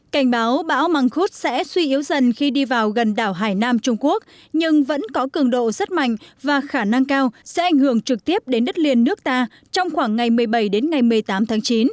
cảnh báo bão măng khuốt sẽ suy yếu dần khi đi vào gần đảo hải nam trung quốc nhưng vẫn có cường độ rất mạnh và khả năng cao sẽ ảnh hưởng trực tiếp đến đất liền nước ta trong khoảng ngày một mươi bảy đến ngày một mươi tám tháng chín